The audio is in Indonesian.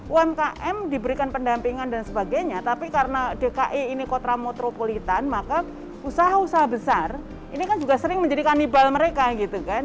umkm diberikan pendampingan dan sebagainya tapi karena dki ini kontra metropolitan maka usaha usaha besar ini kan juga sering menjadi kanibal mereka gitu kan